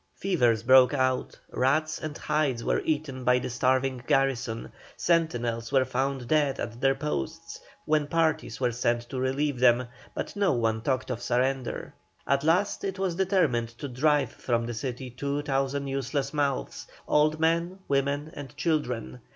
Fevers broke out, rats and hides were eaten by the starving garrison, sentinels were found dead at their posts when parties were sent to relieve them, but no one talked of surrender. At last it was determined to drive from the city two thousand useless mouths, old men, women, and children.